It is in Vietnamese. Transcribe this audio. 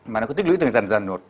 mà nó cứ tích lũy từng dần dần một